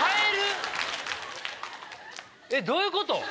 えっどういうこと？